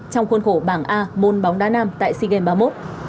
trong khuôn khổ bảng a môn bóng đá nam tại sea games ba mươi một